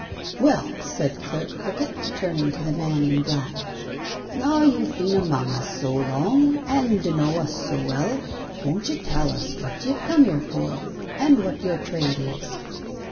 'Well,' said Clerk Crickett, turning to the man in black, 'now you've been among us so long, and d'know us so well, won't ye tell us what ye've come here for, and what your trade is?